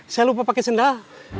saya lupa pake sendal